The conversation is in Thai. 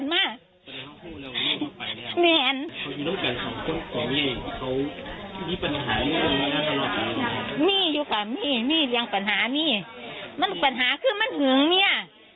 มันผมปัญหาคือมันเหงื่อนี้